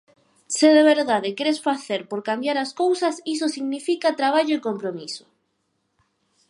Se de verdade queres facer por cambiar as cousas, iso significa traballo e compromiso.